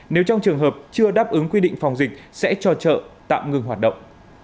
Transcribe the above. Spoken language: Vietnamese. nếu trong trường hợp chưa đáp ứng quy định phòng dịch sẽ cho chợ tạm ngừng hoạt động